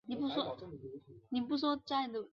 日子不再像以往轻松